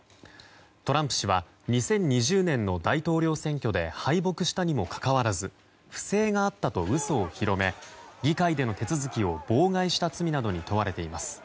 トランプ氏は２０２０年の大統領選挙で敗北したにもかかわらず不正があったと嘘を広め議会での手続きを妨害した罪などに問われています。